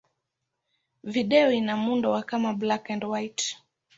Video ina muundo wa kama black-and-white.